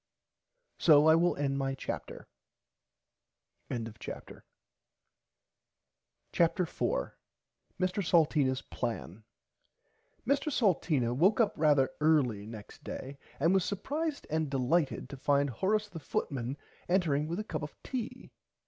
So I will end my chapter. [Pg 41] CHAPTER 4 MR SALTEENAS PLAN Mr Salteena woke up rarther early next day and was supprised and delighted to find Horace the footman entering with a cup of tea.